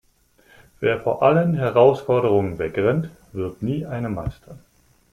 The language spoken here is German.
Wer vor allen Herausforderungen wegrennt, wird nie eine meistern.